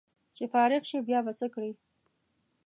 چې فارغ شې بیا به څه کړې